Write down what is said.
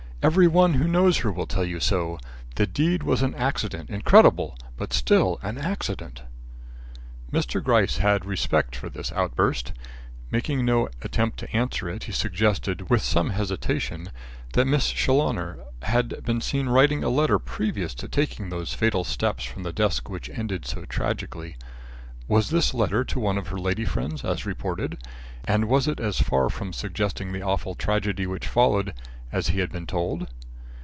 Every one who knows her will tell you so. The deed was an accident incredible but still an accident." Mr. Gryce had respect for this outburst. Making no attempt to answer it, he suggested, with some hesitation, that Miss Challoner had been seen writing a letter previous to taking those fatal steps from the desk which ended so tragically. Was this letter to one of her lady friends, as reported, and was it as far from suggesting the awful tragedy which followed, as he had been told?